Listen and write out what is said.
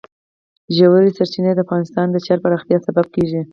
ژورې سرچینې د افغانستان د ښاري پراختیا سبب کېږي.